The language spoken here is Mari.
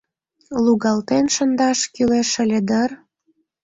— Лугалтен шындаш кӱлеш ыле дыр.